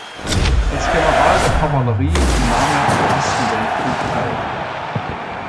Als General der Kavallerie nahm er am Ersten Weltkrieg teil.